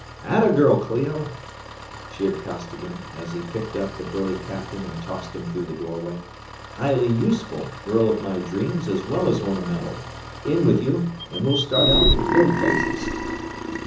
"'At a girl, Clio!" cheered Costigan, as he picked up the burly captain and tossed him through the doorway. "Highly useful, girl of my dreams, as well as ornamental. In with you, and we'll start out to go places!"